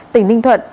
tỉnh ninh thuận